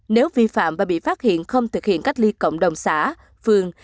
nếu vi phạm và bị phát hiện không thực hiện cách ly cộng đồng xã phường